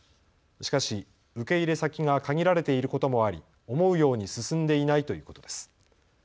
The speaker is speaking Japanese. しかし受け入れ先が限られていることもあり、思うように進んでいないということです。